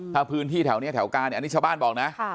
ถ้าพื้นที่แถวนี้แถวการอันนี้ชาวบ้านบอกนะ